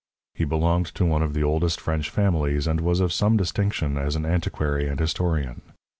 He belonged to one of the oldest French families, and was of some distinction as an antiquary and historian.